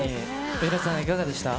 芳根さん、いかがでしたか？